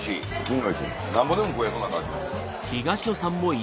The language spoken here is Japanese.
なんぼでも食えそうな感じ。